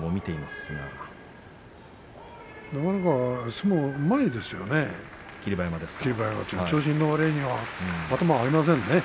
なかなか相撲うまいですよね